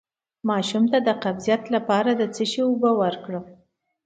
د ماشوم د قبضیت لپاره د څه شي اوبه ورکړم؟